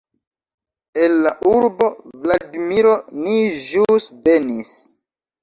El la urbo Vladimiro ni ĵus venis!